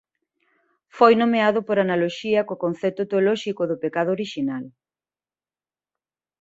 Foi nomeado por analoxía co concepto teolóxico do pecado orixinal.